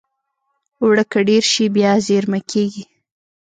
اوړه که ډېر شي، بیا زېرمه کېږي